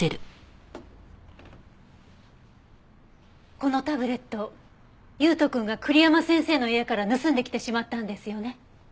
このタブレット悠斗くんが栗山先生の家から盗んできてしまったんですよね？